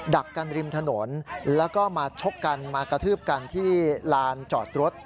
ักกันริมถนนแล้วก็มาชกกันมากระทืบกันที่ลานจอดรถ